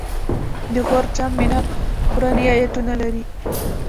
د غور جام منار قرآني آیتونه لري